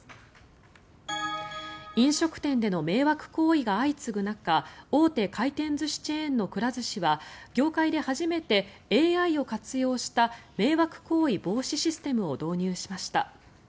飲食店での迷惑行為が相次ぐ中大手回転寿司チェーンのくら寿司は業界で初めてＡＩを活用した迷惑行為防止システムを導入しました。